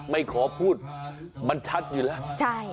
ไม่ขอพูดมันชัดอยู่แล้ว